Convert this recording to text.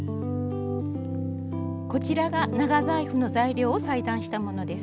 こちらが長財布の材料を裁断したものです。